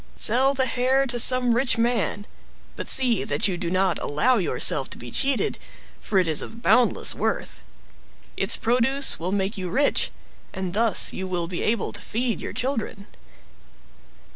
Sell the hair to some rich man; but see that you do not allow yourself to be cheated, for it is of boundless worth. Its produce will make you rich and thus you will be able to feed your children."